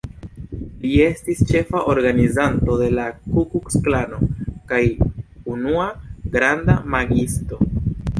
Li estis ĉefa organizanto de la Ku-Kluks-Klano kaj unua „granda magiisto”.